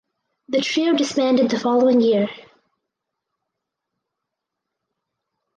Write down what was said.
The trio disbanded the following year.